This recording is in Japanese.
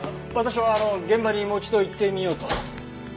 私はあの現場にもう一度行ってみようと。